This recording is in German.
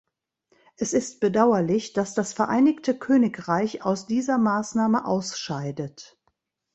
Es ist bedauerlich, dass das Vereinigte Königreich aus dieser Maßnahme ausscheidet.